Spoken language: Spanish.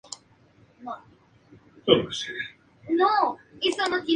El artista actúa en presencia del príncipe de Gales.